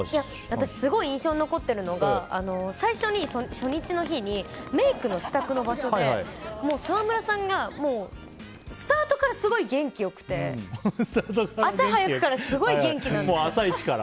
私、すごい印象に残ってるのが最初、初日の日にメイクの支度の場所で沢村さんがスタートからすごい元気良くて、朝早くからすごい元気なんですよ。